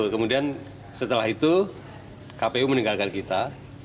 kemudian setelah itu kpu meninggalkan kita